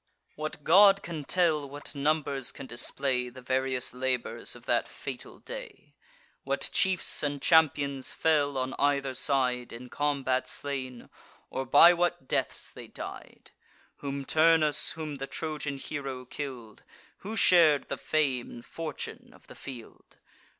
What god can tell, what numbers can display, The various labours of that fatal day; What chiefs and champions fell on either side, In combat slain, or by what deaths they died; Whom Turnus, whom the Trojan hero kill'd; Who shar'd the fame and fortune of the field!